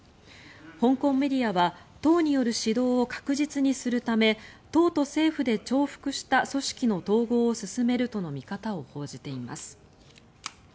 香港メディアは党による指導を確実にするため党と政府で重複した組織の統合を進めるとの見方を報じています。